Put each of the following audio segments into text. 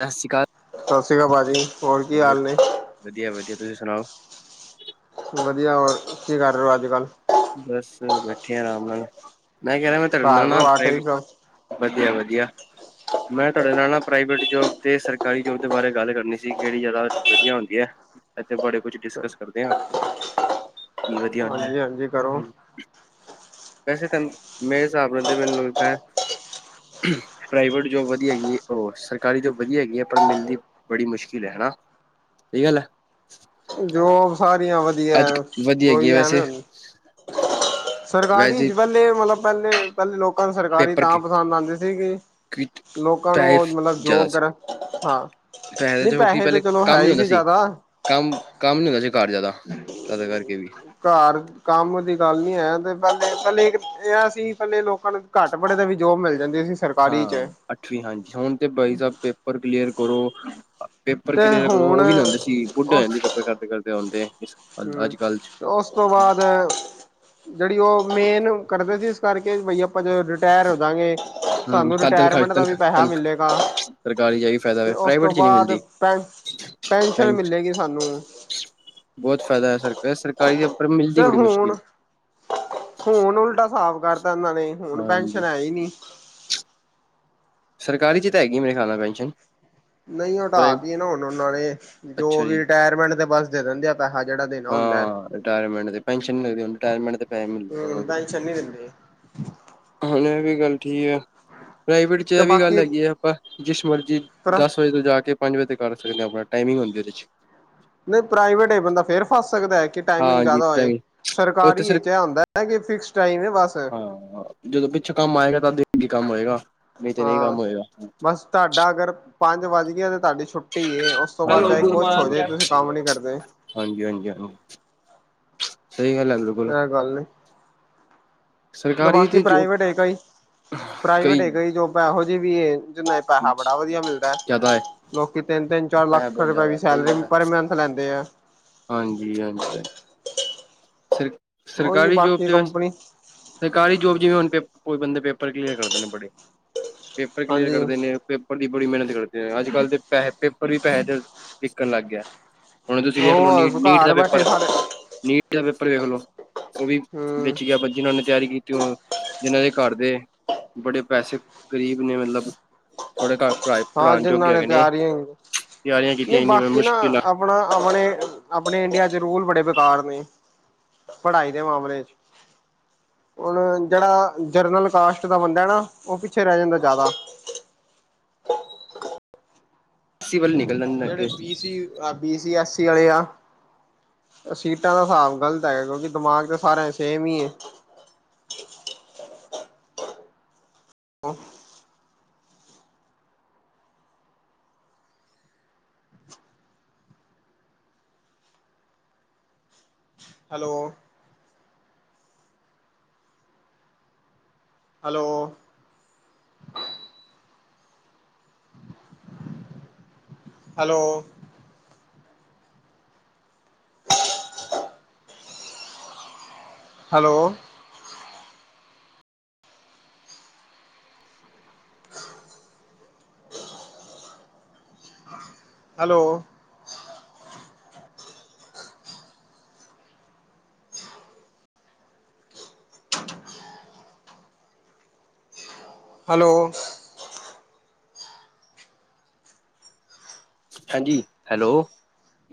ਸਤਿ ਸ਼੍ਰੀ ਅਕਾਲ ਸਤਿ ਸ੍ਰੀ ਅਕਾਲ ਭਾਜੀ, ਹੋਰ ਕੀ ਹਾਲ ਨੇ? ਵਧੀਆ-ਵਧੀਆ, ਤੁਸੀਂ ਸੁਣਾਓ? ਵਧੀਆ, ਹੋਰ ਕੀ ਕਰ ਰਹੇ ਹੋ ਅੱਜ-ਕੱਲ੍ਹ? ਬਸ ਬੈਠੇ ਆ, ਆਰਾਮ ਨਾਲ ਮੈਂ ਕਹਿ ਰਿਹਾ ਮੈਂ ਤੜ ਘਰ ਨਾਲ ਨਾ ਪਰਿਵਾਰ ਠੀਕ ਵਧੀਆ-ਵਧੀਆ। ਮੈਂ ਤੁਹਾਡੇ ਨਾਲ ਨਾ ਪ੍ਰਾਈਵੇਟ ਜੌਬ ਤੇ ਸਰਕਾਰੀ ਜੌਬ ਦੇ ਬਾਰੇ ਗੱਲ ਕਰਨੀ ਸੀ ਕੇੜੀ ਜਾਦਾ ਵਧੀਆ ਹੁੰਦੀ ਹੈ। ਇਥੇ ਬੜੇ ਕੁਛ ਸਭ ਡਿਸਕਸ ਕਰਦੇ ਆਂ ਕੀ ਵਧੀਆ ਹੁੰਦਾ ਹਾਂਜੀ ਹਾਂਜੀ ਕਰੋ ਵੈਸੇ ਤਾ ਮੇਰੇ ਹਿਸਾਬ ਨਾਲ ਮੈਨੂੰ ਪ੍ਰਾਈਵੇਟ ਜੋਬ ਵਧੀਆ ਹੈਗੀ ਐਂ, ਆ ਉਹ ਸਰਕਾਰੀ ਜੋਬ ਵਧੀਆ ਹੈਗੀ ਐ ਪਰ ਮਿਲਦੀ ਬੜੀ ਮੁਸ਼ਕਿਲ ਹੈ ਹੈਨਾ ਸਹੀ ਗੱਲ ਹੈ? ਜੋਬ ਸਾਰੀਆਂ ਅੱਜ ਵਧੀਆ, ਵਧੀਆ ਹੈਗੀ ਕੋਈ ਹੈ ਵੈਸੇ ਐਵੇ [unintelligible] ਸਰਕਾਰੀ ਵੈਸੇ ਚ ਪਹਿਲੇ ਮਤਲਬ ਪਹਿਲੇ ਪਹਿਲੇ ਲੋਕਾਂ ਨੂੰ ਸਰਕਾਰੀ ਪੇਪਰ ਤਾਂ ਕੇ ਪਸੰਦ ਆਦੇ ਸੀਗੇ। ਲੋਕਾਂ ਨੂੰ ਉਹ ਪੈਸੇ ਮਤਲਬ ਜ਼ਿਆਦਾ ਜੋਬ ਸੀ ਕਰਾਦਾ ਹਾਂ। ਨਹੀ ਕਿਉਂਕਿ ਪੈਸੇ ਤਾਂ ਪਹਿਲੇ ਚਲੋ ਹੈ। ਕੰਮ ਨੀ ਹੀ ਹੁੰਦਾ ਈ ਸੀ ਜਿਆਦਾ। ਕੰਮ ਕੰਮ ਨੀ ਹੁੰਦਾ ਸੀ ਘਰ ਜ਼ਿਆਦਾ ਤਦ ਕਰਕੇ ਵੀ ਘਰ ਕੰਮ ਦੀ ਗੱਲ ਨੀ ਐ, ਤੇ ਪਹਿਲੇ [inaudible] ਪਹਿਲੇ ਇਹ ਐ ਸੀ ਪੱਲੇ ਲੋਕਾਂ ਨੂੰ ਘੱਟ ਬੜੇ ਤੇ ਵੀ ਜੋਬ ਮਿਲ ਜਾਂਦੀ ਸੀ। ਸਰਕਾਰੀ ਹਾਂ ਚ ਅੱਠਵੀਂ ਹਾਂਜੀ, ਹੁਣ ਤੇ ਬਾਈ ਸਾਬ ਪੇਪਰ ਕਲੀਅਰ ਕਰੋ ਪੇਪਰ ਤੇ ਕਲੀਅਰ ਕਰੋ, ਹੁਣ ਉਹ ਵੀ ਨੀ ਹੁੰਦੇ ਸੀ। ਬੁੱਢੇ ਹੋ ਉਸ ਜਾਂਦੀ ਕੱਪੇ ਕਰਦੇ-ਕਰਦੇ ਆਉਂਦੇ ਹੂੰ ਤੇ ਉਸ ਤੋਂ ਬਾਅਦ ਜਿਹੜੀ ਉਹ ਮੇਨ ਕਰਦੇ ਸੀ ਇਸ ਕਰਕੇ ਬਈ ਆਪਾਂ ਜੇ ਰਿਟਾਇਰ ਹੋ ਜਾਂਗੇ ਹੂੰ ਸਾਨੂੰ ਤਾਂ ਤਨਖਾਹ ਰਿਟਾਇਰਮੈਂਟ ਦਾ ਵੀ ਤਨਖਾਹ ਪੈਸਾ ਤਨਖਾਹ ਮਿਲੇਗਾ। ਸਰਕਾਰੀ ਚ ਇਹੀ ਫਾਇਦਾ ਤੇ ਉਸ ਪ੍ਰਾਈਵੇਟ ਤੋਂ ਚ ਨਹੀਂ ਬਾਅਦ ਮਿਲਦੀ। ਪੈ ਪੈਨਸ਼ਨ ਮਿਲੇਗੀ ਸਾਨੂੰ। ਬਹੁਤ ਫ਼ਾਇਦਾ ਹੈ ਸਰਕਾਰ ਸਰਕਾਰੀ ਜਾਂ ਤੇ ਹੁਣ ਹੁਣ ਉਲਟਾ ਸਾਬ ਕਰਤਾ ਉਹਨਾਂ ਨੇ ਹੁਣ ਹਾਂਜੀ ਪੈਨਸ਼ਨ ਹੈ ਹੀ ਨੀ। ਸਰਕਾਰੀ ਚ ਤਾਂ ਹੈਗੀ ਮੇਰੇ ਖਿਆਲ ਪੈਨਸ਼ਨ ਨਈ ਹਟਾ ਪ੍ਰਾਈ ਤੀ ਨਾ ਹੁਣ ਉਹਨਾਂ ਨੇ ਜੋ ਅੱਛਾ ਵੀ ਜੀ ਰਿਟਾਇਰਮੈਂਟ ਤੇ ਬਸ ਦੇ ਦਿੰਦੇ ਆ। ਪੈਸਾ ਜਿਹੜਾ ਦੇ ਹਾਂ ਰਿਟਾਇਰਮੈਂਟ ਤੇ ਪੈਨਸ਼ਨ ਮਿਲਦੀ, ਰਿਟਾਇਰਮੈਂਟ ਦੇ ਪੈਸੇ ਮਿਲਦੇ। ਚੰਗੇ ਦਿੰਦੇ ਅ ਹੁਣ ਇਹ ਵੀ ਗੱਲ ਠੀਕ ਆ। ਪ੍ਰਾਈਵੇਟ 'ਚ ਤੇ ਇਹ ਵੀ ਗੱਲ ਬਾਕੀ ਹੈਗੀ ਆ, ਆਪਾਂ ਜਿਸ ਮਰਜ਼ੀ ਪਰ ਦਸ ਵਜੇ ਤੋਂ ਜਾ ਕੇ ਪੰਜ ਵਜੇ ਤੋਂ ਕਰ ਸਕਦੇ ਆ, ਆਪਣਾ ਟਾਈਮਿੰਗ ਹੁੰਦੀ ਉਹਦੇ ਚ। ਨਹੀਂ ਪ੍ਰਾਈਵੇਟ, ਬੰਦਾ ਫੇਰ ਫਸ ਸਕਦਾ ਐ ਕਿ ਟਾਈਮਿੰਗ ਹਾਂਜੀ ਜਿਆਦਾ ਹੋਏ ਟਾਈਮਿੰਗ ਸਰਕਾਰ ਉੱਥੇ ਹੀ ਇਹ ਸਿਰ 'ਚ ਹੁੰਦਾ ਕਿ ਫਿਕਸ ਟਾਈਮ ਹੈ। ਬਸ- ਹਾਂ ਜਦੋਂ ਪਿੱਛੋਂ ਕੰਮ ਆਏਗਾ। ਤਦ ਅੱਗੇ ਕੰਮ ਹੋਏਗਾ। ਨਹੀਂ ਤੇ ਨਹੀਂ ਹਾਂ, ਕੰਮ ਹੋਏਗਾ ਬਸ ਤੁਹਾਡਾ ਅਗਰ ਪੰਜ ਵੱਜ ਗਿਆ ਤੇ ਤੁਹਾਡੀ ਛੁੱ ਟੀਏ ਓਸ ਤੋਂ ਹਾਂ ਬਾਅਦ ਚਾਹੇ ਕੁਛ ਹੋਜੇ, ਤੁਸੀਂ ਕੰਮ ਨੀ ਕਰਦੇ। ਹਾਂਜੀ- ਹਾਂਜੀ ਸਈ ਗੱਲ ਐ, ਬਿ ਇਹ ਗੱਲ ਹੈ। ਸਰਕਾਰੀ ਬਾਕੀ ਤੇ ਜੋ ਪ੍ਰਾਈਵੇਟ ਹੈਗਾ ਈ ਪ੍ਰਾਈਵੇਟ ਕਈ ਹੈਗਾ ਈ ਜੋਬਾ ਐਹੋ ਜੀ ਵੀ ਜਿਵੇਂ ਪੈਸਾ ਬੜਾ ਵਧੀਆ ਮਿਲਦਾ ਹੈ। ਲੋਕੀ ਤਿੰਨ-ਤਿੰਨ ਚਾਰ ਪੈਸਾ ਲੱਖ ਬਹੁਤ ਰੁਪਏ ਜ਼ਿਆਦਾ ਵੀ ਹੈ, ਸੈਲਰੀ ਪਰ ਲੈਂਦੇ ਆ ਹਾਂਜੀ-ਹਾਂਜੀ ਹਾਂ। ਸਰ ਉਹੀ ਸਰਕਾਰੀ ਜੋਬ ਬਾਕੀ ਤੇ ਵੈਸ ਕੰਪਨੀ ਸਰਕਾਰੀ ਜੋਬ ਜਿਵੇਂ ਹੁਣ ਪੇਪ ਕੋਈ ਬੰਦੇ ਪੇਪਰ ਕਲੀਅਰ ਕਰਦੇ ਨੇ, ਬੜੇ ਪੇਪਰ ਕਲੀਅਰ ਹਾਂਜੀ ਕਰਦੇ ਨੇ ਪੇਪਰ ਦੀ ਬੜੀ ਮਿਹਨਤ ਕਰਦੇ ਆ। ਅੱਜਕੱਲ ਦੇ ਪੈਸੇ ਪੇਪਰ ਵੀ ਪੈਸੇ ਦੇ ਦੇਖਣ ਲੱਗ ਗਿਆ। ਹੁਣ ਤੁਸੀਂ ਦੇਖ ਲੋ ਉਹ ਨੀਟ-ਨੀਟ ਦਾ ਘਰ ਬੈਠੇ ਪੇਪਰ ਸਾਰੇ ਨੀਟ ਦਾ ਪੇਪਰ ਵੇਖ ਲਓ ਉਹ ਵੀ ਹੂੰ ਵਿਚ ਗਿਆ। ਜਿਨਾ ਨੇ ਤਿਆਰੀ ਕੀਤੀ ਜਿਨਾਂ ਦੇ ਘਰ ਦੇ ਬੜੇ ਪੈਸੇ ਗਰੀਬ ਨੇ ਮਤਲਬ ਥੋੜੇ ਘਰ ਪੜ ਹਾਂ ਪੜ੍ਹਾਉਣ ਜੋਗੇ ਜਿੰਨਾਂ ਹੈਗੇ ਨੇ, ਤਿਆਰੀਆਂ ਤਿਆਰੀਆਂ ਕੀਤੀਆਂ ਐਨੀ ਮੈਂ ਮੁਸ਼ਕਿਲ ਨਾ। [unintelligible] ਹੁਣ ਆਪਣੇ-ਆਪਣੇ ਇੰਡੀਆ ਚ ਰੂਲ ਬੜੇ ਬੇਕਾਰ ਨੇ। ਪੜ੍ਹਾਈ ਦੇ ਮਾਮਲੇ ਚ ਹੁਣ ਜਿਹੜਾ ਜਰਨਲ ਕਾਸਟ ਦਾ ਬੰਦਾ ਨਾ ਉਹ ਪਿੱਛੇ ਰਹਿ ਜਾਂਦਾ ਜ਼ਿਆਦਾ। ਸਿਵਲ ਨੇ। ਜਿਹੜੇ ਬੀਸੀ, ਆਹ ਬੀ ਸੀ ਐਸਸੀ ਆਲੇ ਆ। ਸੀਟਾਂ ਦਾ ਹਿਸਾਬ ਗ਼ਲਤ ਹੈਗਾ ਕਿਉਂਕਿ ਦਿਮਾਗ ਤੇ ਸਾਰਿਆਂ ਦਾ ਸੇਮ ਹੀ ਏ। [unintelligible] Hello hello. Hello hello hello hello ਹਾਂਜੀ, ਹੈਲੋ,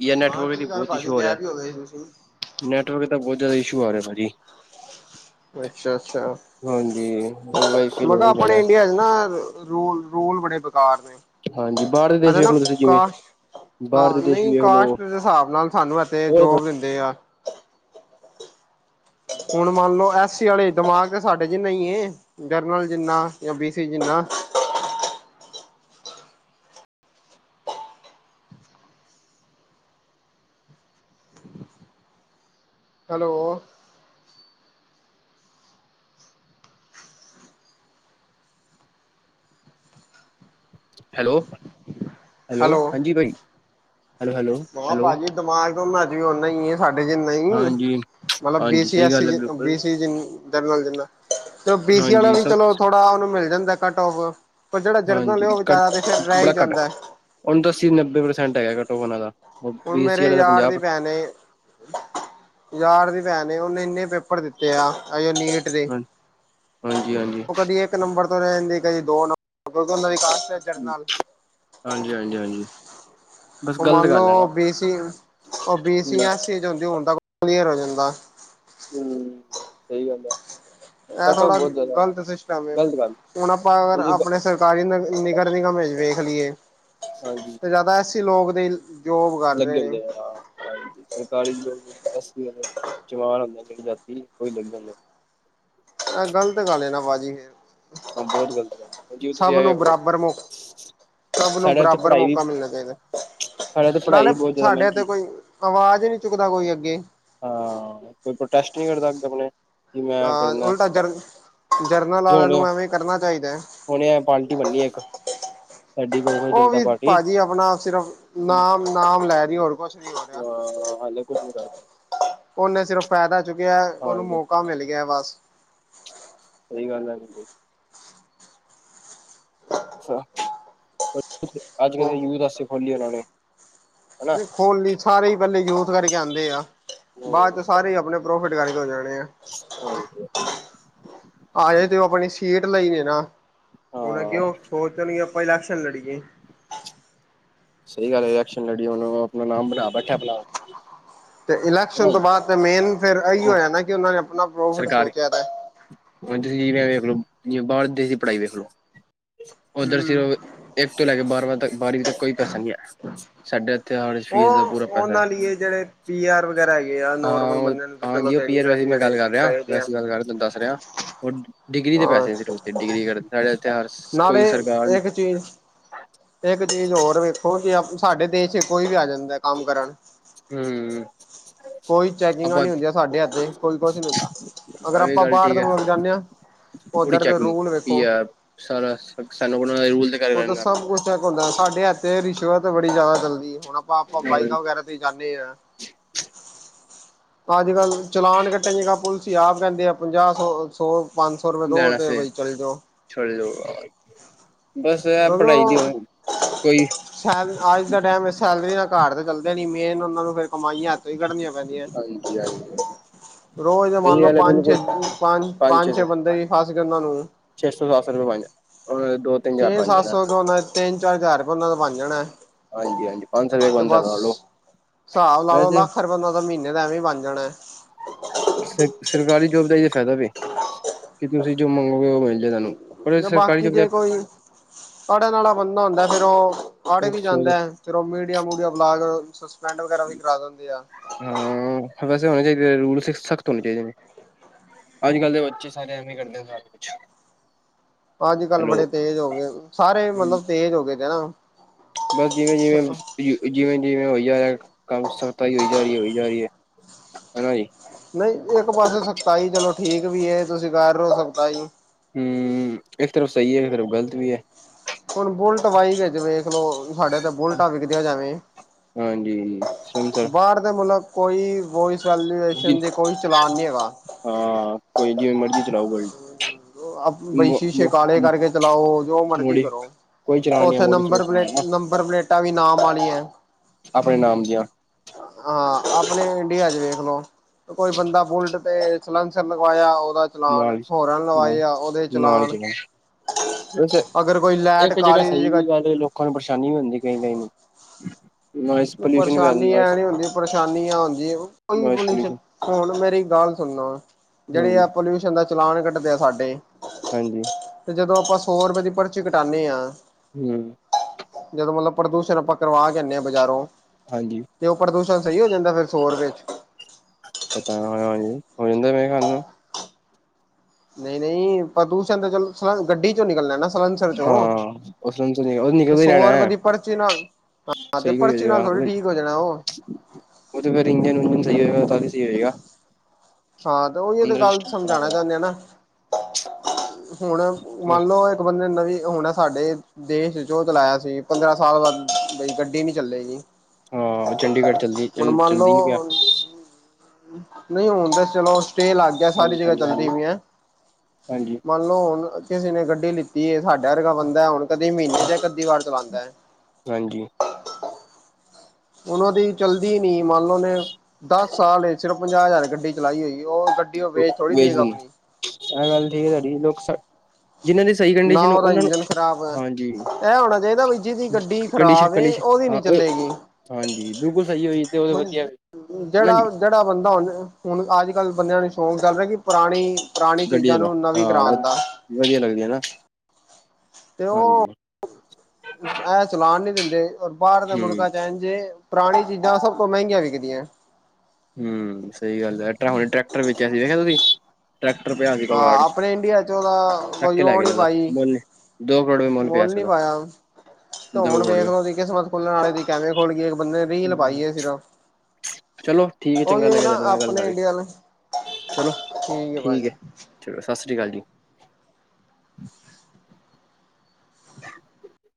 ਯਾਰ ਮਾਂ ਨੈੱਟਵਰਕ ਦੀ ਕੀ ਗੱਲ ਬਹੁਤ ਇਸ਼ੂ ਭਾਜੀ ਹੋ ਰਿਹਾ। ਗੈਪ ਹੀ ਗਏ ਸੀ ਨੈਟਵਰਕ ਦਾ ਬਹੁਤ ਜ਼ਿਆਦਾ ਇਸ਼ੂ ਆ ਰਿਹਾ ਭਾਜੀ। ਅੱਛਾ-ਅੱਛਾ, ਹਾਂਜੀ ਵਾਈਫਾਈ ਮੈਖਾ ਲਾਉਣਾ ਹੀ ਆਪਣੇ ਪੈਣਾ ਇੰਡੀਆ ਨਾ ਰੂਲ ਰੂਲ ਬੜੇ ਬੇਕਾਰ ਨੇ। ਹਾਂਜੀ ਬਾਹਰਲੇ ਦੇਸ਼ ਅੱਛਾ ਵੇਖ ਨਾ ਲੋ ਤੁਸੀਂ ਜਿਵੇਂ ਕਾਸ਼ ਬਾਹਰ ਹਾਂ ਦੇ ਦੇਸ਼ ਨਹੀਂ ਵੀ ਵੇਖ ਲੋ ਕਾਸਟ ਦੇ ਹਿਸਾਬ ਨਾਲ ਸਾਨੂੰ ਇਹ ਤੇ ਉਹ ਜੋਬ ਦਿੰਦੇ ਆ। ਹੁਣ ਮੰਨ ਲਓ ਐਸ ਸੀ ਵਾਲੇ ਦਿਮਾਗ ਸਾਡੇ ਜਿਨਾ ਈ ਏ ਜਨਰਲ ਜਿਨਾ ਜਾਂ ਬੀ ਸੀ ਜਿਨਾ। ਹੈਲੋ ਹੈਲੋ, ਹੈਲੋ ਹਾਂਜੀ ਬਾਈ, ਹੈਲੋ ਹੈਲੋ। ਮੈ ਖਿਆ ਹੈਲੋ ਭਾਜੀ ਦਿਮਾਗ ਤਾਂ ਉਹਨਾਂ ਚ ਵੀ ਉਹਨਾਂ ਈ ਐ, ਸਾਡੇ ਜਿੰਨਾ ਹੀ। ਹਾਂਜੀ ਮਤਲਬ ਬੀ ਹਾਂਜੀ ਸੀ ਸਹੀ ਏਸ ਸੀ ਗੱਲ ਹੈ ਬਿਲਕੁਲ ਬੀ ਸੀ ਜਿਨ ਜਰਨਲ ਜਿੰਨਾ, ਤੇ ਬੀਸੀ ਹਾਂਜੀ ਵਾਲਾ ਵੀ ਸਭ ਚਲੋਂ ਥੋੜਾ ਉਹਨੂੰ ਮਿਲ ਜਾਂਦਾ ਕੱਟ ਔਫ ਉਹ ਜਿਹੜਾ ਜਰਨਲ ਹੈ ਉਹ ਵਿਚਾਰਾ ਤੇ ਫਿਰ ਰਹਿ ਹੀ ਜਾਂਦਾ। ਉਣ ਦੱਸੀ ਨੱਬੇ ਪ੍ਰਸੈਂਟ ਹੈਗਾ ਕਟ ਔਫ ਉਹਨਾਂ ਦਾ। ਹੁਣ ਬੀ ਸੀ ਮੇਰੇ ਵਾਲੇ ਦਾ ਯਾਰ ਪੰਜਾਹ ਦੀਆਂ ਭੈਣ ਏ ਯਾਰ ਦੀ ਭੈਣ ਨੇ ਉਹਨੇ ਇੰਨੇ ਪੇਪਰ ਦਿੱਤੇ ਆ ਅਜੇ ਨੀਟ ਨੀਟ ਦੇ, ਹਾਂਜੀ ਹਾਂਜੀ ਹਾਂਜੀ ਉਹ ਕਦੀ ਇੱਕ ਨੰਬਰ ਤੋਂ ਰਹਿ ਜਾਂਦੀ, ਕਦੀ ਦੋ ਨੰਬਰ ਕਿਉਂਕਿ ਉਹਦਾ ਵੀ ਫਿਰ ਜਰਨਲ ਹਾਂਜੀ ਹਾਂਜੀ ਹਾਂਜੀ। ਬਸ ਉਹ ਗ਼ਲਤ ਮੰਨ ਗੱਲ ਹੈ ਨਾ ਲਓ ਬੀ ਸੀ, ਉਹ ਬੀ ਸੀ ਹਮ ਐ ਸੀ ਚ ਹੁੰਦੀ ਹੁਣ ਤੱਕ ਕਲੀਅਰ ਹੋ ਜਾਂਦਾ। ਹੂੰ, ਸਹੀ ਗੱਲ ਏ। ਇਹ ਥੋੜਾ ਗ਼ਲਤ ਸਿਸਟਮ ਹੈ, ਗ਼ਲਤ ਗੱਲ ਹੁਣ ਆਪਾਂ ਅਗਰ ਹਾਂਜੀ ਆਪਣੇ ਸਿਰ ਤਾਂ ਕੀ ਨ ਨਿਗਰ ਨਿਗਮ ਵੇਖ ਲਈਏ, ਤੇ ਜ਼ਿਆਦਾ ਐਸ ਸੀ ਲੋਕ ਦੇ ਲੱਗੇ ਹੁੰਦੇ ਆ ਹਾਂ। ਹਾਂ ਸਰਕਾਰੀ [unintelligible] ਜਵਾਨ ਹੁੰਦੇ ਜਿਹੜੇ ਜਾਤੀ ਉਹੀ ਲੱਗ ਜਾਂਦੇ। ਇਹ ਗਲਤ ਗੱਲ ਐ ਨਾ ਬਾਜੀ ਐ। ਹਾਂ ਬਹੁਤ ਗ਼ਲਤ ਐ, ਹਾਂਜੀ ਤੁਸੀਂ ਆਗੇ ਨੂੰ ਵੇਖ ਲੋ। ਬਰਾਬਰ ਮੌ ਸਭ ਨੂੰ ਬਰਾਬਰ ਮੌਕਾ ਮਿਲਣਾ ਚਾਹੀਦਾ। ਸਾਡੇ ਤੇ ਪੜ੍ਹਾਈ ਨਾਲੇ ਬਹੁਤ ਜ਼ਿਆਦਾ ਸਾਡੇ ਮਹਿੰਗੀ ਤੇ ਕੋਈ ਆਵਾਜ਼ ਨਹੀਂ ਚੁੱਕਦਾ ਕੋਈ ਅੱਗੇ। ਹਾਂ ਕੋਈ ਪ੍ਰੋਟੈਸਟ ਨਹੀਂ ਕਰਦਾ [unintelligible] ਹਾਂ ਕਰਨਾ ਉਲਟਾ ਜਰ, ਜਰਨਲ ਵਾਲਿਆਂ ਨੂੰ ਐਵੇਂ ਕਰਨਾ ਚਾਹੀਦਾ। ਹੁਣ ਐ ਪਾਲਟੀ ਬਣਨੀ ਐ ਇੱਕ। ਸਾਡੀ ਗੋ ਉਹ ਜਨਤਾ ਵੀ, ਪਾਰਟੀ ਭਾਜੀ ਆਪਣਾ ਸਿਰਫ ਨਾਮ ਨਾਮ ਲੈ ਰਹੀ ਹੋਰ ਕੁੱਛ ਹਾਂ ਹਾਲੇ ਕੁਛ ਨੀ ਕਰ ਪਾ ਉਹਨੇ ਸਿਰਫ ਫਾਇਦਾ ਚੁੱਕਿਆ, ਉਹਨੂੰ ਮੌਕ ਹਾਂਜੀ ਮੌਕਾ ਮਿਲ ਗਿਆ ਬਸ। ਸਹੀ ਗੱਲ ਐ। [unintelligible] ਛਾ ਅੱਜਕੱਲ ਤੇ ਯੂਥ ਆਸਤੇ ਖੋਲੀ ਉਹਨਾਂ ਨੇ। ਹਨਾ ਜੇ ਖੋਲ ਲਈ ਸਾਰੇ ਹੀ ਪਹਿਲੇ ਲੋਸ ਕਰਕੇ ਆਉਂਦੇ ਆ ਬਾਅਦ 'ਚ ਸਾਰੇ ਹੀ ਆਪਣੇ ਪ੍ਰੋਫਿਟ ਕਰਕੇ ਹੋ ਜਾਣੇ ਆ। ਹਾਂਜੀ। ਆਏ ਦੇ ਉਹ ਆਪਣੀ ਸੀਟ ਲਈ ਨੇ ਨਾ, ਹੁਣ ਅੱਗੇ ਹਾਂ ਉਹ ਸੋਚਦੇ ਨੇ ਆਪਾਂ ਫਾਈਨੈਂਸ਼ੀਅਲ ਲੜੀਏ। ਸਹੀ ਗੱਲ, ਇਲੈਕਸ਼ਨ ਲੜੀ ਉਹਨੂੰ ਆਪਣਾ ਨਾਮ ਬਣਾ ਬ ਤੇ ਹਨਾ ਇਲੈਕਸ਼ਨ ਤੋਂ ਬਾਅਦ ਤੇ ਮੇਨ ਫੇਰ ਇਹੀ ਜੀ ਹੋਇਆ ਨਾ। ਕਿ ਉਹਨਾਂ ਨੇ ਆਪਣਾ ਪ੍ਰੋਫਿਟ ਸੋਚਿਆ ਦਾ। ਹਾਂਜੀ ਤੁਸੀਂ ਜਿਵੇਂ ਵੇਖ ਲੋ ਬਾਹਰ ਦੇਸ਼ ਦੀ ਪੜ੍ਹਾਈ ਵੇਖਲੋ। ਉੱਧਰ ਹੂੰ ਸਿਰਫ ਇੱਕ ਤੋਂ ਲੈ ਕੇ ਬਾਰਵਾ ਤੱਕ ਬਾਰਵੀਂ ਤੱਕ ਕੋਈ ਪੈਸਾ ਨਹੀਂ ਲਾਇਆ। ਸਾਡੇ ਇੱਥੇ ਹਰ ਫੀਸ ਦਾ ਉਹ ਪੂਰਾ ਪਤਾ। ਉਹਨਾਂ ਲਈ ਜਿਹੜੇ। ਪੀ ਆਰ ਵਗੈਰਾ ਹੈਗੇ ਆ ਨੋਰਮਲ ਹਾਂ ਬੰਦੇ ਨੂੰ ਚਲੋ ਹਾਂਜੀ ਉਹ ਪੀ ਦੇਣੀ ਏ ਰਾਹੀਂ ਪੈਂਦੀ ਮੈਂ ਗੱਲ ਜਿਹੜੇ ਕਰ ਰਿਹਾ ਗਏ ਦੇ ਆ। ਵੈਸੇ ਗੱਲ ਕਰ ਰਿਹਾ ਤੈਨੂੰ ਦੱਸ ਰਿਹਾ। ਉਹ ਡਿਗਰੀ ਦੇ ਹਾਂ ਪੈਸੇ ਸਿਰਫ ਡਿਗਰੀ ਦੇ ਪੈਸੇ ਸਾਡੇ ਇਥੇ ਹਰ ਕੋਈ ਨਾਲੇ ਸਰਕਾਰ। ਇੱਕ ਚੀਜ਼। ਇੱਕ ਚੀਜ਼ ਹੋਰ ਵੇਖੋ ਜੇ ਸਾਡੇ ਦੇਸ਼ ਚ ਕੋਈ ਵੀ ਆ ਜਾਂਦਾ ਕੰਮ ਕਰਨ। ਹਮ ਕੋਈ ਚੈਕਿੰਗਾਂ ਆਪਾਂ ਨੀ ਹੁੰਦੀਆਂ ਸਾਡੇ ਇੱਥੇ ਕੋਈ ਕੁਛ ਨੀ ਹੁੰਦਾ। ਅਗਰ ਇਹ ਆਪਾਂ ਗੱਲ ਬਾਹਰ ਠੀਕ ਦੇ ਹੈ ਮੁਲਕ ਜਾਂਦੇ ਹਾਂ ਪੂਰੀ ਉਓਧਰ ਦੇ ਚੈਕਿੰਗ ਰੂਲ ਪੀ ਵੇਖੋ। ਆਰ ਸਾਰਾ ਸਾਕਸ ਲੈਵਲ [inaudible] ਉਧਰ ਤਾਂ ਸਭ ਕੁੱਛ ਤ ਹੁੰਦਾ ਸਾਡੇ ਇੱਥੇ ਰਿਸ਼ਵਤ ਬੜੀ ਜ਼ਿਆਦਾ ਚੱਲਦੀ ਹੁਣ ਆਪਾਂ ਆਪਾਂ ਬਾਈਕਾਂ ਵਗੈਰਾ। ਤੇ ਜਾਂਦੇ ਆ। ਤਾਂ ਅੱਜ ਕੱਲ ਚਲਾਨ ਕੱਟਣ ਜਗਾ ਪੁਲਿਸ ਆਪ ਹੀ ਕਹਿੰਦੇ ਆ ਪੰਜਾਹ ਸੌ ਸੌ। ਪੰਜ ਸੌ ਰੁਪਏ ਦਿਓ ਤੇ ਬਈ ਚੱਲ ਜਾਓ। ਛੱਡ ਜਾਓ ਬਸ ਐ ਪੜ੍ਹਾਈ ਦੀ ਕੋਈ। ਸੈ ਅੱਜ ਦੇ ਟਾਈਮ ਸੈਲਰੀ ਦਾ ਘਰ ਤਾਂ ਚੱਲਦੇ ਨੀ ਮੇਨ ਉਹਨਾ ਨੂੰ ਫਿਰ ਕਮਾਈਆਂ। ਸਹੀ ਕੱਢਣੀਆਂ ਪੈਂਦੀਆਂ। ਹਾਂਜੀ ਹਾਂਜੀ ਰੋਜ਼ ਦੇ ਮੰਨ ਸਹੀ ਲਓ ਗੱਲ ਹੈ ਪੰਜ ਛੇ, ਬਿਲਕੁਲ ਪੰਜ ਪੰਜ ਛੇ ਬੰਦੇ ਵੀ ਫਸ ਗਏ ਉਹਨਾਂ ਨੂੰ। ਛੇ ਸੌ ਸਤ ਸੋ ਰੁਪਏ ਬਚ ਜਾਦੇ ਉਹਨਾਂ ਦੇ ਦੋ। ਤਿੰਨ ਹਜ਼ਾਰ ਛੇ ਬਣ ਸੱਤ ਜਾਣਾ ਸੌ ਤੋਂ ਉਹਨਾ ਦੇ ਤਿੰਨ ਚਾਰ ਹਜ਼ਾਰ ਗੁਣਾਂ ਉਹਨਾ ਦਾ ਬਣ ਜਾਣਾ। ਹਾਂਜੀ ਹਾਂਜੀ ਪੰਜ ਸੌ ਰੁਪਏ ਤੇ ਕੁਇੰਟਲ ਬਸ ਲਾ ਲਓ ਹਿਸਾਬ ਲਾ ਲਉ ਵੈਸੇ ਲੱਖ ਰੁਪਈਆ ੳਹਨਾਂ ਦਾ ਮਹੀਨੇ ਦਾ ਐਵੇਂ ਬਣ ਜਾਣਾ। ਸਰ ਸਰਕਾਰੀ ਜੋਬ ਦਾ ਇਹ ਤਾਂ ਫਾਇਦਾ ਵੀ ਕਿ ਤੁਸੀਂ ਜੋ ਮੰਗੋਗੇ ਉਹ ਮਿਲ ਜਾਏ ਤੁਹਾਨੂੰ। ਪਰ ਨਹੀ ਸਰਕਾਰੀ ਬਾਕੀ ਜੋਬ ਜੇ ਕੋਈ ਅੜਨ ਵਾਲਾ ਬੰਦਾ ਹੁੰਦਾ ਫੇਰ ਉਹ ਅੜ ਵੀ ਜਾਂਦਾ। ਫਿਰ ਉਹ ਵੀਡੀਓ ਵੀਡੀਓ ਬਣਾ ਕੇ ਸਸਪੈਂਡ ਵਗੈਰਾ ਵੀ ਕਰਾ ਦਿੰਦੇ ਹਾਂ। ਹਾਂ, ਵੈਸੇ ਹੋਣੇ ਚਾਹੀਦੇ, ਰੂਲਸਜ ਸਖ਼ਤ ਹੋਣੇ ਚਾਹੀਦੇ ਨੇ। ਅੱਜ ਕੱਲ੍ਹ ਦੇ ਬੱਚੇ ਸਾਰੇ ਐਵੇ ਹੀ ਕਰਦੇ ਆ ਸਾਰਾ ਕੁਛ। ਅੱਜ ਕੱਲ੍ਹ ਹੈਲੋ ਬੜੇ ਤੇਜ਼ ਹੋ ਗਏ ਸਾਰੇ ਮਤਲਬ ਤੇਜ਼ ਹੋ ਗਏ ਤੇ ਹਨ ਨਾ। ਬਸ ਜਿਵੇਂ-ਜਿਵੇਂ। ਜਿਵੇਂ ਜਿਵੇਂ ਹੋ ਜਾ ਰਿਹਾ ਕੰਮ ਸਖਤਾਈ ਹੋ ਜਾ ਰਹੀ ਹੈ ਹੋਈ ਜਾ ਰਹੀ ਹੈ ਹਨਾ ਜੀ। ਨਹੀਂ ਇੱਕ ਪਾਸੇ ਸਖਤਾਈ ਚਲੋ ਠੀਕ ਵੀ ਹੈ ਤੁਸੀਂ ਕਹਿ ਰਹੇ ਹੋ ਸਖਤਾਈ। ਹਮ ਇੱਕ ਤਰਫ ਸਹੀ ਹੈ ਇੱਕ ਤਰਫ ਗ਼ਲਤ ਵੀ ਹੈ। ਹੁਣ ਬੁਲਟ ਬਾਈਕ ਵਿੱਚ ਵੇਖਲੋ ਸਾਡੇ ਤਇੱਥੇ ਬੁਲਟਾਂ ਵਿਕਦੀਆਂ ਜਾਵੇ। [unintelligible] ਬਾਹਰ ਦੇ ਮੁਲਕ ਕੋਈ ਵੋਇਸ ਵੈਲੂਏਸ਼ਨ ਜੀ ਦਾ ਕੋਈ ਚਲਾਨ ਨਹੀਂ ਹੈਗਾ। ਹਾਂ ਕੋਈ ਜਿਵੇਂ ਮਰਜ਼ੀ ਚਲਾਓ ਗੱਡੀ। ਬਈ ਸ਼ੀਸੇ ਕਾਲੇ ਕਰਕੇ ਚਲਾਓ ਜੋ ਮਰਜ਼ੀ ਮੋੜੀ ਕਰੋ। ਕੋਈ ਚਲਾਨ ਨੀ ਉੱਥੇ ਨੰਬਰ ਮੋਡੀਫਿਕੇਸ਼ਨ ਪਲੇਟ ਨਾ ਨੰਬਰ ਪਲੇਟਾਂ ਵੀ ਨਾਮ ਵਾਲੀ ਹੈ। ਆਪਣੇ ਨਾਮ ਦੀਆਂ। ਹਾਂ ਆਪਣੇ ਇੰਡੀਆ ਚ ਵੇਖ ਲੋ ਕੋਈ ਬੰਦਾ ਬੁਲਟ। ਤੇ ਸਲਸਰ ਲਗਵਾਇਆ ਉਹਦਾ ਚਲਾਨ ਹੋਰਨ। ਨਾ ਲਵਾਏ ਆ ਉਹਦੇ ਨਾਲ ਹੀ ਚਲਾਨ ਚਲਣਾ ਵੈਸੇ ਅਗਰ ਕੋਈ ਲਾਈਟ ਇੱਕ ਜਗ੍ਹਾ ਕਾਲੀ ਦੀ ਸਹੀ ਵੀ ਜਗ੍ਹਾ ਗੱਲ। ਲੋਕਾਂ ਨੂੰ ਪਰੇਸ਼ਾਨੀ ਵੀ ਹੁੰਦੀ ਕਈ- ਕਈ ਨੂੰ। ਨੋਇਸ ਪੋਲਿਊਸ਼ਨ ਵੈਲ ਪਰੇਸ਼ਾਨੀ ਐ ਨੋਇਸ ਨੀ ਹੁੰਦੀ ਪਰੇਸ਼ਾਨੀ ਆ ਹੁੰਦੀ ਕੋਈ ਨੋਇਸ ਪੁਲਿਸ। ਪੋਲਿਊਸ਼ਨ ਹੁਣ ਮੇਰੀ ਗੱਲ ਸੁਨੋ ਹਾਂਜੀ ਜਿਹੜੇ ਆ ਪੋਲਿਊਸ਼ਨ ਦਾ ਚਲਾਨ ਕੱਟਦੇ ਆ ਸਾਡੇ- ਹਾਂਜੀ। ਤੇ ਜਦੋਂ ਆਪਾਂ ਸੌ ਰੁਪਏ ਦੀ ਪਰਚੀ ਕਟਾਨੇ ਆ। ਹੂੰ। ਜਦੋਂ ਮਤਲਬ ਪ੍ਰਦੂਸ਼ਣ ਆਪਾਂ ਕਰਵਾ ਕੇ ਆਨੇ ਆ ਬਾਜ਼ਾਰੋਂ ਹਾਂਜੀ। ਤੇ ਉਹ ਪ੍ਰਦੂਸ਼ਣ ਸਹੀ ਹੋ ਜਾਂਦਾ ਫਿਰ ਸੋ ਰਪਏ ਵਿੱਚ? ਪਤਾ ਨਾ ਨਾ ਜੀ ਹੋ ਜਾਂਦਾ ਮੇਰੇ ਖਿਆਲ ਨਾਲ। ਨਹੀਂ ਨਹੀਂ ਪ੍ਰਦੂਸ਼ਣ ਤਾਂ ਚਲੋ ਸਨ, ਗੱਡੀ ਇਥੋਂ ਨਿਕਲਣਾ ਨਾ ਸਲੰਸਰ ਚੋਂ, ਹਾਂ ਉਸ ਤੋਂ ਉਹ ਤੇ ਨਿਕਲਦਾ ਹੀ ਸੌ ਰਹਿਣਾ ਰੁਪਏ ਹੈ ਦੀ ਪਰਚੀ ਨਾ ਹਾਂ ਤੇ ਸਹੀ ਕੋਈ ਹੋ ਪਰਚੀ ਨਾਲ ਜਾਏਗਾ ਥੋੜ੍ਹੀ ਉਹਦੇ ਠੀਕ ਹੋ ਜਾਣਾ ਉਹ ਉਹ ਫਿਰ ਇੰਜਨ ਉੰਜਨ ਸਹੀ ਹੋਏਗਾ ਤਾਂ ਹੀ ਸਹੀ ਹੋਏਗਾ। ਹਾਂ ਤੇ ਉਹੀਓ ਤੇ ਅੰਦਰ ਗੱਲ ਸਿਸਟਮ ਖਰਾਬ ਸਮਝਾਉਣਾ ਹੋਇਆ ਚਾਹੁੰਦੇ ਆ ਨਾ। ਹੁਣ ਮੰਨ ਲਓ ਇੱਕ ਬੰਦੇ ਨਵੀ ਵੀ ਹੁਣ ਆ ਸਾਡੇ ਦੇਸ਼ ਚ ਉਹ ਚਲਾਇਆ ਸੀ, ਪੰਦਰਾਂ ਸਾਲ ਬਾਅਦ ਬਈ ਗੱਡੀ ਨੀ ਚੱਲੇਗੀ। ਹਾਂ ਚੰਡੀਗੜ੍ਹ ਚੱਲਦੀ ਚ ਹੁਣ ਮੰਨ ਚੱਲਦੀ ਨੀ ਪਿਆ ਲਓ ਨਹੀਂ ਹੁਣ ਤਾਂ ਚਲੋ ਸਟੇਅ ਲੱਗ ਗਿਆ ਸਾਰੀ ਜਗ੍ਹਾ ਚੱਲਦੀ ਵੀ ਹੈ ਹਾਂਜੀ-ਹਾਂਜੀ-ਹਾਂਜੀ-ਹਾਂਜੀ। ਮੰਨ ਲਓ ਹੁਣ ਕਿਸੇ ਨੇ ਗੱਡੀ ਲਿੱਤੀ ਹੈ ਸਾਡਾ ਵਰਗਾ ਬੰਦਾ ਹੁਣ ਕਦੀ ਮਹੀਨੇ ਤੇ ਕੱੀ ਵਾਰ ਚਲਾਉਦਾ ਹੈ। ਹਾਂਜੀ। ਉਹਨਾਂ ਦੀ ਚਲਦੀ ਨੀ, ਮੰਨ ਲਓ ੳਹਨੇ ਦਸ ਸਾਲ 'ਚ ਸਿਰਫ ਪੰਜਾਹ ਹਜ਼ਾਰ ਗੱਡੀ ਚਲਾਈ ਹੋਈ ਏ। ਉਹ ਗੱ ਵੇਚ ਦਿੰਦੇ ਇਹ ਗੱਲ ਠੀਕ ਹੈ ਤੁਹਾਡੀ ਲੋਕ ਜਿਹਨਾਂ ਨੇ ਨਾ ਉਹਦਾ ਇੰਜਨ ਖ਼ਰਾਬ ਐ। ਏਹ ਹੋਣਾ ਚਾਹੀਦਾ ਬੀ ਜਿਹਦੀ ਗੱਡੀ ਕੰਡੀਸ਼ਨ ਖਰਾਬ ਏ ਕੰਡੀਸ਼ਨ ਉਹਦੀ ਨੀ ਹਾਂ ਉਹ ਚਲੇੇਗੀ। ਹਾਂਜੀ, ਬਿਲਕੁਲ ਸਹੀ ਹੋਈ ਤੇ ਓਹਦੇ ਵਿੱਚ ਆ ਜਿਹੜਾ ਜਿਹੜਾ ਬੰਦਾ ਹ ਹੁਣ ਅੱਜ ਕੱਲ੍ਹ ਬੰਦਿਆਂ ਨੂੰ ਸ਼ੌਂਕ ਚੱਲ ਰਿਹਾ ਕਿ ਪੁਰਾਣੀ ਪੁਰਾਣੀ ਗੱਡੀ ਚੀਜ਼ਾਂ ਚਲਾ ਨੂੰ ਨਵੀਂ ਹਾਂ ਕਰਾਉਣ ਵਧ ਦਾ। ਵਧੀਆ ਲੱਗਦੀ ਹੈ ਨਾ। ਤੇ ਉਹ ਹਾਂਜੀ ਐ ਚਲਾਨ ਨੀ ਦਿੰਦੇ ਔਰ ਬਾਹਰ ਦੇ ਹਮ ਮੁਲਕਾਂ ਚ ਐਜ ਏ ਪੁਰਾਣੀ ਚੀਜ਼ਾਂ ਸਭ ਤੋਂ ਮਹਿੰਗੀਆਂ ਵਿਕਦੀਆਂ। ਹੂੰ, ਸਹੀ ਗੱਲ ਐਟਰਾ ਹੁਣ ਟਰੈਕਟਰ ਵੇਚਿਆ ਸੀਗਾ ਨਾ ਤੁਸੀਂ? ਟਰੈਕਟਰ ਪਿਆ ਸੀ ਹਾਂ ਕਵਾੜ 'ਚ, ਆਪਣੇ ਇੰਡੀਆ ਚ ਉਹਦਾ ਚੱਕ ਕੋਈ ਕੇ ਲੈ ਗਏ ਨੇ ਉਹਦਾ, ਮਾਂਨਨੇ ਦੋ ਕਰੋੜ ਮੁੱਲ ਪਿਆ ਮੋਲ ਸੀ ਨਹੀਂ ਉਹਦਾ ਪਾਇਆ। ਤੇ ਦੋ ਹੁਣ ਕਰੋੜ ਵੇਖ ਦਾ ਲੋ ਉਹਦੀ ਕਿਸਮਤ ਖੁਲਣ ਆਲੇ ਦੀ ਕੈਮੇ ਖੋਲ ਗਈ ਏ ਇੱਕ ਬੰਦੇ ਦੀ ਲਵਾਈਏ ਸਿਰਫ ਚਲੋ ਠੀ ਠੀਕ ਹੈ ਚੰਗਾ ਉਹੀ ਲੱਗਿਆ ਨਾ ਤੁਹਾਡੇ ਨਾਲ ਗੱਲ ਆਪਣੇ ਕਰਕੇ, ਇੰਡੀਆ ਵਾਲੇ, ਚਲੋ ਹੈ ਠੀਕ ਐ, ਭਾਜੀ ਚਲੋ ਸਤਿ ਸ਼੍ਰੀ ਅਕਾਲ ਜੀ।